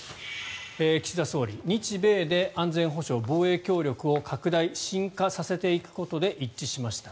岸田総理、日米で安全保障・防衛協力を拡大・深化させていくことで一致しました。